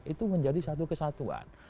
itu menjadi satu kesatuan